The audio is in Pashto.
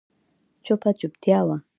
چوپه چوپتيا وه.